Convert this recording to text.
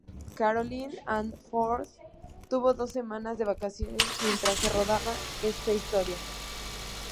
Carole Ann Ford tuvo dos semanas de vacaciones mientras se rodaba esta historia.